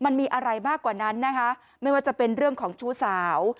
มันมีอะไรมากกว่านั้นนะคะไม่ว่าจะเป็นเรื่องของชู้สาว